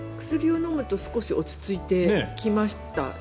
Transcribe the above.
薬を飲むと少し落ち着いてきました。